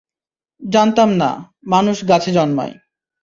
জানতাম না, মানুষ গাছে জন্মায়।